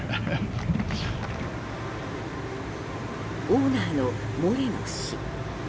オーナーのモレノ氏。